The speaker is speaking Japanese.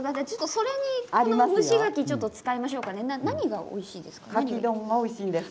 それに蒸しがきを使いましょうか何がおいしいですか？